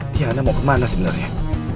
tiana mau kemana sebenarnya